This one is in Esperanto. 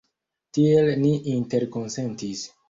Tiel ni interkonsentis.